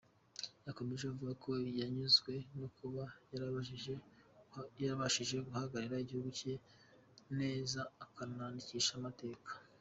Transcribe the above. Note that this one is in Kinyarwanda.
Yakomeje avuga ko yanyuzwe no kuba yarabashije guhagararira igihugu cye neza akanandikisha andi mateka.